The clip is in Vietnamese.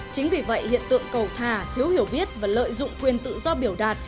chính vì vậy hiện tượng cầu thà thiếu hiểu biết và lợi dụng quyền tự do biểu đạt